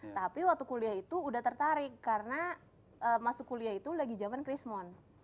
tapi waktu kuliah itu udah tertarik karena masuk kuliah itu lagi zaman krismon